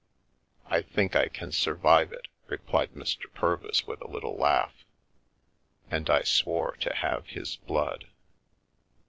" I think I can survive it," replied Mr. Purvis wi a little laugh, and I swore to have his blood.